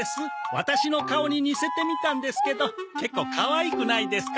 ワタシの顔に似せてみたんですけど結構かわいくないですか？